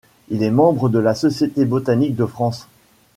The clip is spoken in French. Il est membre de la Société botanique de France.